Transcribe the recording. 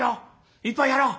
一杯やろう。